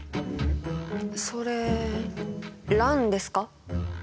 それ卵ですか？